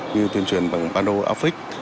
như tuyên truyền bằng bản đồ áp phích